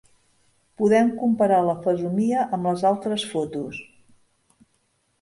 Poden comparar la fesomia amb les altres fotos.